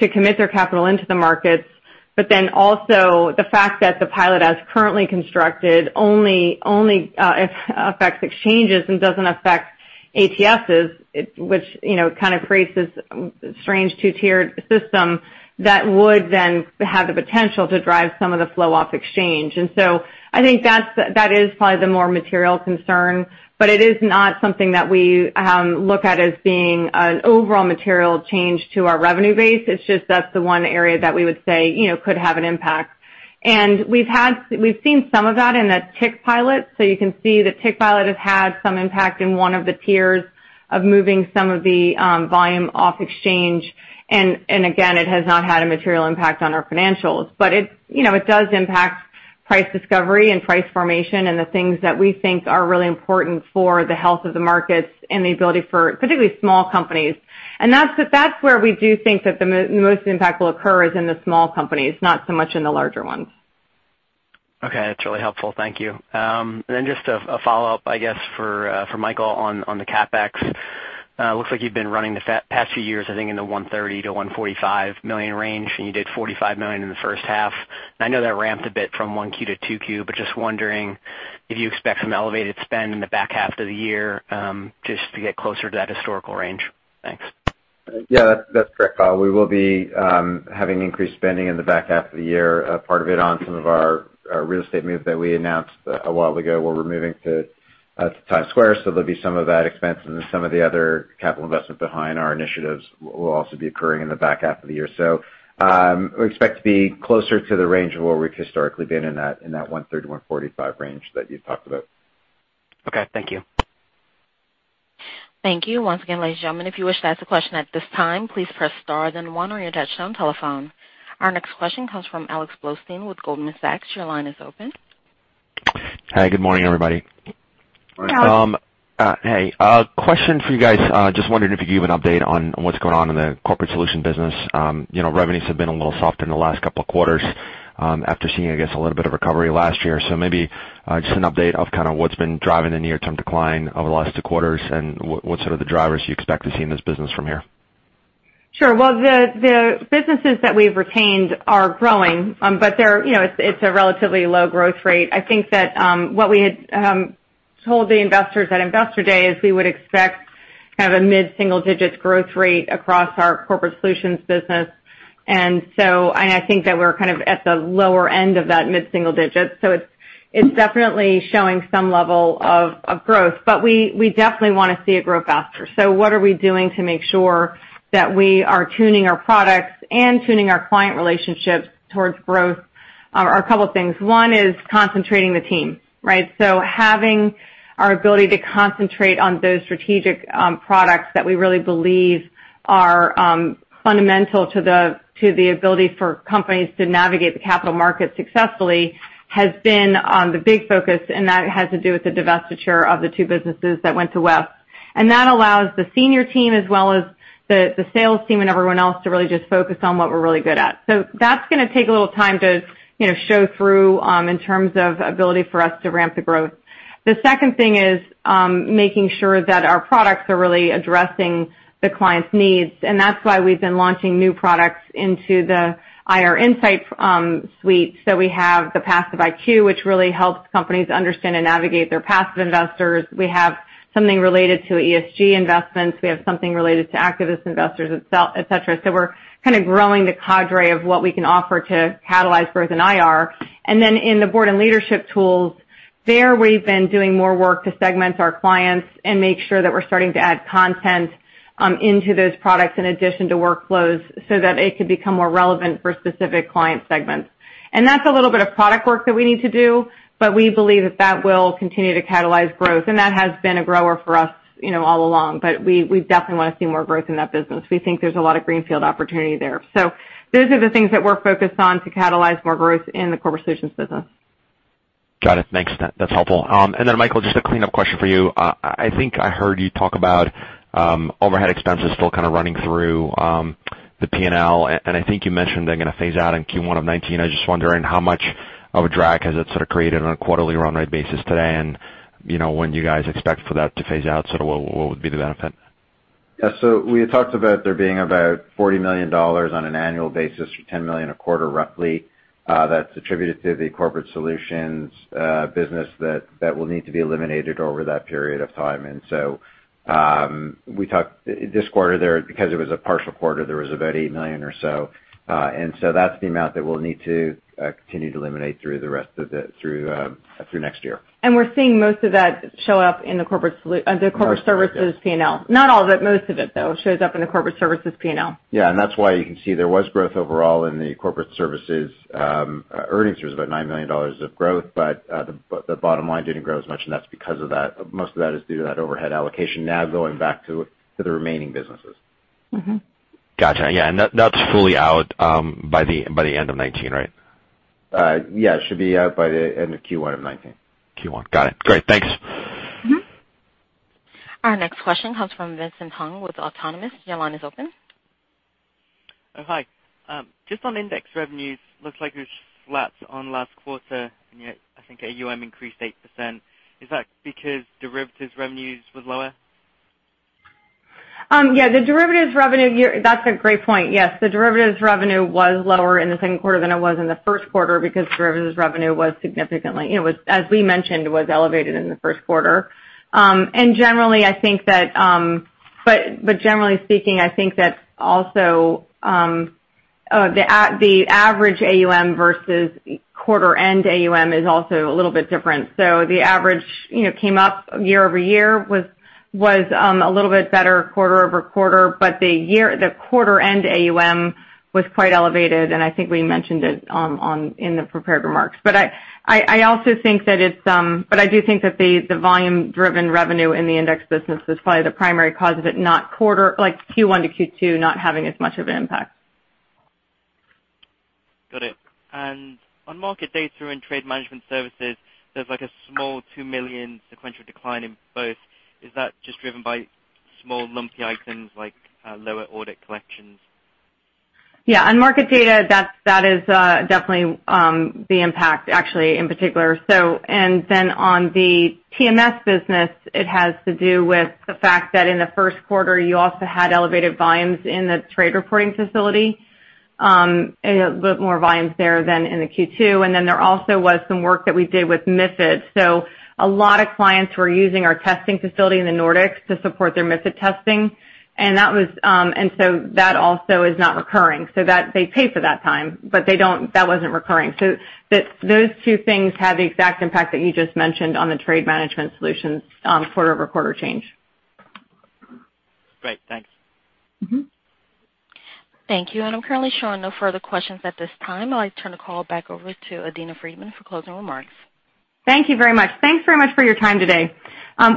to commit their capital into the markets. Also the fact that the pilot, as currently constructed, only affects exchanges and doesn't affect ATSs, which kind of creates this strange two-tiered system that would have the potential to drive some of the flow-off exchange. I think that is probably the more material concern, but it is not something that we look at as being an overall material change to our revenue base. It's just that's the one area that we would say could have an impact. We've seen some of that in the Tick Pilot, so you can see the Tick Pilot has had some impact in tier 1 of moving some of the volume off exchange. Again, it has not had a material impact on our financials. It does impact price discovery and price formation and the things that we think are really important for the health of the markets and the ability for particularly small companies. That's where we do think that the most impact will occur is in the small companies, not so much in the larger ones. Okay. That's really helpful. Thank you. Just a follow-up, I guess, for Michael on the CapEx. Looks like you've been running the past few years, I think, in the $130 million-$145 million range, and you did $45 million in the first half. I know that ramped a bit from 1Q to 2Q, but just wondering if you expect some elevated spend in the back half of the year, just to get closer to that historical range. Thanks. Yeah, that's correct, Kyle. We will be having increased spending in the back half of the year, part of it on some of our real estate move that we announced a while ago where we're moving to Times Square. There'll be some of that expense and then some of the other capital investment behind our initiatives will also be occurring in the back half of the year. We expect to be closer to the range of where we've historically been in that $130-$145 range that you talked about. Okay. Thank you. Thank you. Once again, ladies and gentlemen, if you wish to ask a question at this time, please press star then one on your touchtone telephone. Our next question comes from Alex Blostein with Goldman Sachs. Your line is open. Hi, good morning, everybody. Good morning, Alex. Hey. Question for you guys. Just wondering if you could give an update on what's going on in the Corporate Services business. Revenues have been a little soft in the last couple of quarters, after seeing, I guess, a little bit of recovery last year. Maybe just an update of kind of what's been driving the near-term decline over the last two quarters, and what sort of the drivers you expect to see in this business from here? Sure. Well, the businesses that we've retained are growing, but it's a relatively low growth rate. I think that what we had told the investors at Investor Day is we would expect kind of a mid-single-digit growth rate across our Corporate Services business. I think that we're kind of at the lower end of that mid-single digit. It's definitely showing some level of growth, but we definitely want to see it grow faster. What are we doing to make sure that we are tuning our products and tuning our client relationships towards growth are a couple of things. One is concentrating the team, right? Having our ability to concentrate on those strategic products that we really believe are fundamental to the ability for companies to navigate the capital market successfully has been the big focus, and that has to do with the divestiture of the two businesses that went to West. That allows the senior team as well as the sales team and everyone else to really just focus on what we're really good at. That's going to take a little time to show through, in terms of ability for us to ramp the growth. The second thing is making sure that our products are really addressing the client's needs, and that's why we've been launching new products into the IR Insight Suite. We have the passiveIQ, which really helps companies understand and navigate their passive investors. We have something related to ESG investments. We have something related to activist investors itself, et cetera. We're kind of growing the cadre of what we can offer to catalyze growth in IR. In the board and leadership tools, there we've been doing more work to segment our clients and make sure that we're starting to add content into those products in addition to workflows so that it could become more relevant for specific client segments. That's a little bit of product work that we need to do, but we believe that that will continue to catalyze growth, and that has been a grower for us all along. We definitely want to see more growth in that business. We think there's a lot of greenfield opportunity there. Those are the things that we're focused on to catalyze more growth in the Corporate Solutions business. Got it. Thanks. That's helpful. Michael, just a cleanup question for you. I think I heard you talk about overhead expenses still kind of running through the P&L, and I think you mentioned they're going to phase out in Q1 of 2019. I was just wondering how much of a drag has it sort of created on a quarterly run rate basis today and when you guys expect for that to phase out, so what would be the benefit? We had talked about there being about $40 million on an annual basis, or $10 million a quarter roughly, that's attributed to the corporate solutions business that will need to be eliminated over that period of time. This quarter there, because it was a partial quarter, there was about $8 million or so. That's the amount that we'll need to continue to eliminate through next year. We're seeing most of that show up in the corporate- Corporate, yeah Corporate Services P&L. Not all of it, most of it, though, shows up in the Corporate Services P&L. Yeah, that's why you can see there was growth overall in the Corporate Services. Earnings was about $9 million of growth, the bottom line didn't grow as much, and that's because of that. Most of that is due to that overhead allocation now going back to the remaining businesses. Got you. Yeah, that's fully out by the end of 2019, right? Yeah, it should be out by the end of Q1 of 2019. Q1. Got it. Great. Thanks. Our next question comes from Vincent Hung with Autonomous. Your line is open. Hi. Just on index revenues, looks like it was flat on last quarter, yet I think AUM increased 8%. Is that because derivatives revenues was lower? That's a great point. Yes, the derivatives revenue was lower in the second quarter than it was in the first quarter because derivatives revenue, as we mentioned, was elevated in the first quarter. Generally speaking, I think that also the average AUM versus quarter-end AUM is also a little bit different. The average came up year-over-year, was a little bit better quarter-over-quarter, but the quarter-end AUM was quite elevated, and I think we mentioned it in the prepared remarks. I do think that the volume-driven revenue in the index business is probably the primary cause of it, like Q1 to Q2 not having as much of an impact. Got it. On market data and trade management services, there's like a small $2 million sequential decline in both. Is that just driven by small lumpy items like lower audit collections? On market data, that is definitely the impact actually in particular. On the TMS business, it has to do with the fact that in the first quarter, you also had elevated volumes in the trade reporting facility, a bit more volumes there than in the Q2. There also was some work that we did with MiFID. A lot of clients were using our testing facility in the Nordics to support their MiFID testing. That also is not recurring. They pay for that time, but that wasn't recurring. Those two things have the exact impact that you just mentioned on the trade management solutions quarter-over-quarter change. Great. Thanks. Thank you. I'm currently showing no further questions at this time. I'd like to turn the call back over to Adena Friedman for closing remarks. Thank you very much. Thanks very much for your time today.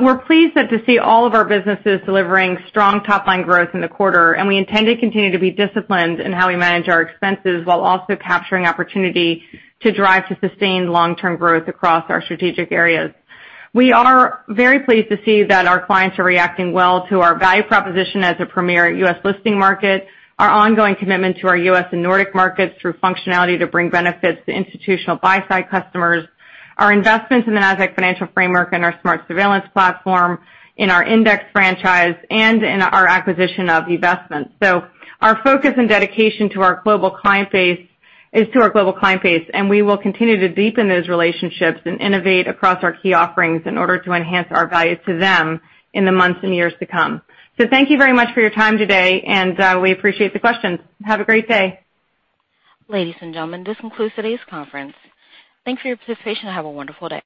We're pleased to see all of our businesses delivering strong top-line growth in the quarter, and we intend to continue to be disciplined in how we manage our expenses while also capturing opportunity to drive to sustained long-term growth across our strategic areas. We are very pleased to see that our clients are reacting well to our value proposition as a premier U.S. listing market, our ongoing commitment to our U.S. and Nordic markets through functionality to bring benefits to institutional buy-side customers, our investments in the Nasdaq Financial Framework and our SMARTS Surveillance platform, in our index franchise, and in our acquisition of eVestment. Our focus and dedication is to our global client base, and we will continue to deepen those relationships and innovate across our key offerings in order to enhance our value to them in the months and years to come. Thank you very much for your time today, and we appreciate the questions. Have a great day. Ladies and gentlemen, this concludes today's conference. Thanks for your participation and have a wonderful day.